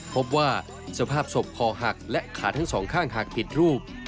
พบว่าสภาพศพคอหักและขาทั้งสองข้างหักผิดรูป